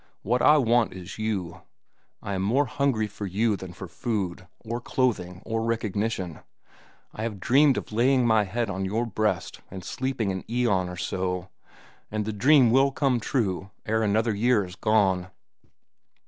What I want is you; I am more hungry for you than for food, or clothing, or recognition. I have a dream of laying my head on your breast and sleeping an aeon or so, and the dream will come true ere another year is gone."